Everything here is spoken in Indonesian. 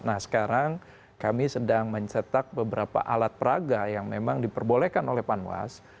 nah sekarang kami sedang mencetak beberapa alat peraga yang memang diperbolehkan oleh panwas